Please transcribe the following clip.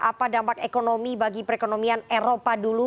apa dampak ekonomi bagi perekonomian eropa dulu